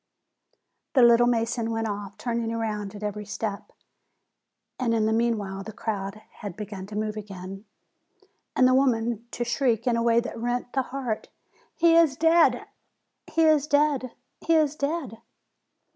The "little mason" went off, turning round at every step. And in the meanwhile the crowd had begun to THE PRISONER 127 move again, and the woman to shriek in a way that rent the heart: "He is dead ! He is dead ! He is dead